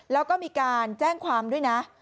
แล้วก็มีการแจ้งความด้วยนะ